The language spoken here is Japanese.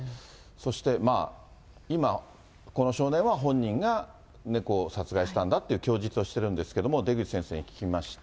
そしてまあ、今、この少年は、本人が猫を殺害したんだという供述をしてるんですけれども、出口先生に聞きました。